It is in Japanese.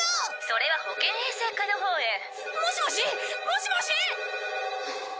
「それは保健衛生課のほうへ」もしもし！？もしもし！？